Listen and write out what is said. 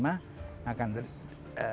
yang mampu survive